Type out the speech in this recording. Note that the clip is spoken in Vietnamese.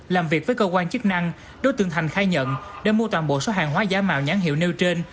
làm việc với cơ quan chức năng đối tượng thành khai nhận đã mua toàn bộ số hàng hóa giả mạo nhãn hiệu nêu trên